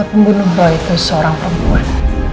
pembunuh roy itu seorang perempuan